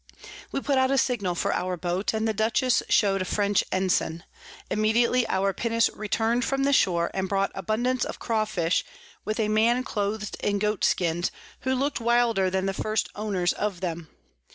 We put out a Signal for our Boat, and the Dutchess show'd a French Ensign. Immediately our Pinnace returned from the shore, and brought abundance of Craw fish, with a Man cloth'd in Goat Skins, who look'd wilder than the first Owners of them.